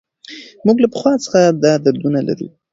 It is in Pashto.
موږ له پخوا څخه دا دودونه لرو.